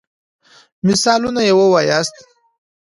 مثالونه يي ووایاست.